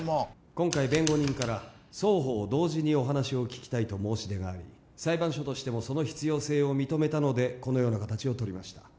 今回弁護人から双方同時にお話を聞きたいと申し出があり裁判所としてもその必要性を認めたのでこのような形をとりました